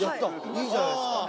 いいじゃないですか。